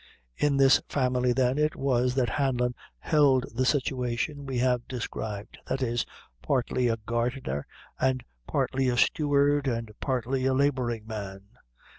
In this family, then, it was that Hanlon held the situation we have described that is, partly a gardener, and partly a steward, and partly a laboring man.